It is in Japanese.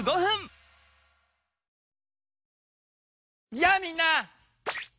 やあみんな！